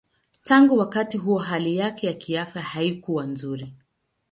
Tangu wakati huo hali yake ya kiafya haikuwa nzuri.